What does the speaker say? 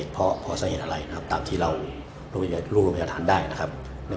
สภาพเฟิร์กไม่มีเลยตาย๕ทีบ่ะ